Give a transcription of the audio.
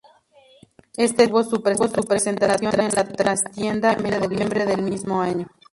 Este disco tuvo su presentación en La Trastienda, en noviembre del mismo año.